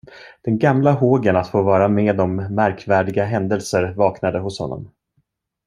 Den gamla hågen att få vara med om märkvärdiga händelser vaknade hos honom.